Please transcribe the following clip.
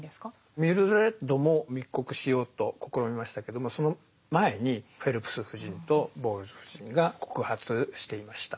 ミルドレッドも密告しようと試みましたけどもその前にフェルプス夫人とボウルズ夫人が告発していました。